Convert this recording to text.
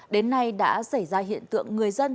đến nay đã xảy ra hiện tượng người dân